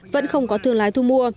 vẫn không có thương lái